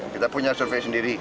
kita punya survei sendiri